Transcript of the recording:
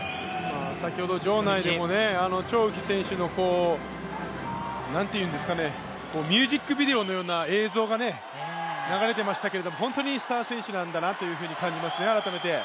先ほど城内でも張雨霏選手のミュージックビデオのような映像が流れてましたけど本当にスター選手なんだなと感じますね、改めて。